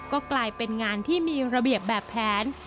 ก็กลายเป็นงานที่มีระเบียบแบบแผน